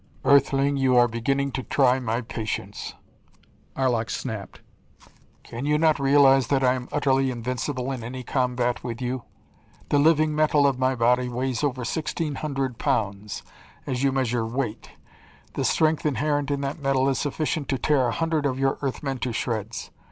"Earthling, you are beginning to try my patience," Arlok snapped. "Can you not realize that I am utterly invincible in any combat with you? The living metal of my body weighs over sixteen hundred pounds, as you measure weight. The strength inherent in that metal is sufficient to tear a hundred of your Earth men to shreds.